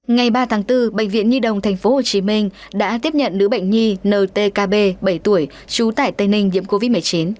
ngày ba tháng bốn bệnh viện nhi đông tp hcm đã tiếp nhận nữ bệnh nhi ntkb bảy tuổi chú tại tây ninh diễm covid một mươi chín